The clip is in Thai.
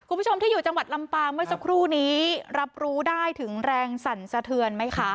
คุณผู้ชมที่อยู่จังหวัดลำปางเมื่อสักครู่นี้รับรู้ได้ถึงแรงสั่นสะเทือนไหมคะ